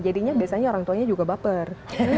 jadinya biasanya orang tuanya juga baper